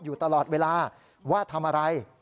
อยู่ตลอดเวลาว่าทำอะไร